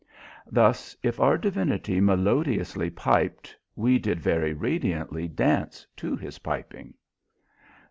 Thus, if our divinity melodiously piped, we did very radiantly dance to his piping.